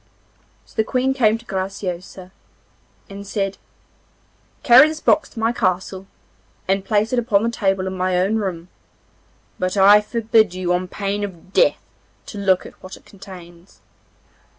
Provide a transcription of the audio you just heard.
So the Queen came to Graciosa, and said: 'Carry this box to my castle, and place it upon the table in my own room. But I forbid you on pain of death to look at what it contains.